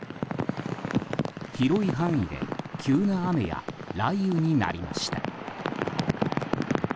広い範囲で急な雨や雷雨になりました。